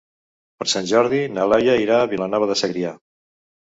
Per Sant Jordi na Laia irà a Vilanova de Segrià.